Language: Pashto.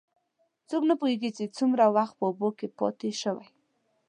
څوک نه پوهېږي، چې څومره وخت په اوبو کې پاتې شوی.